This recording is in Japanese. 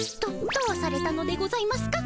どどうされたのでございますか？